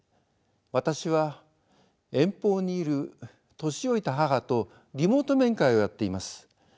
私は遠方にいる年老いた母とリモート面会をやっています。